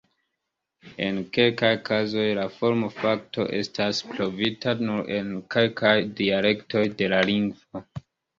En kelkaj kazoj la formo-fakto estas trovita nur en kelkaj dialektoj de la lingvo.